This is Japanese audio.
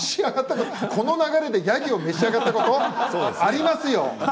この流れでヤギを召し上がったこと？ありますよ。